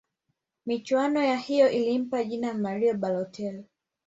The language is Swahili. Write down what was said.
michuano ya hiyo ilimpa jina mario balotel